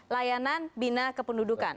layanan bina kependudukan